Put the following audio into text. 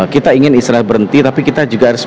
kita ingin israel berhenti tapi kita juga harus